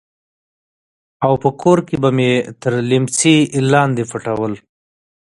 او په کور کښې به مې تر ليمڅي لاندې پټول.